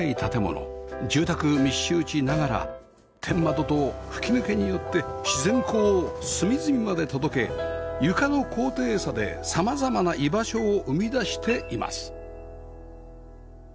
住宅密集地ながら天窓と吹き抜けによって自然光を隅々まで届け床の高低差で様々な居場所を生み出しています